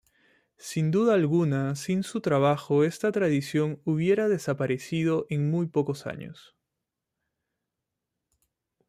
Sin duda alguna sin su trabajo esta tradición hubiera desaparecido en muy pocos años.